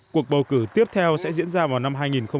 cuộc bầu cử tiếp theo sẽ diễn ra vào năm hai nghìn một mươi chín